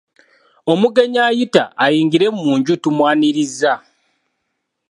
Omugenyi ayita ayingire mu nju tumwaniriza.